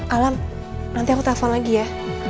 alan nanti aku telepon lagi ya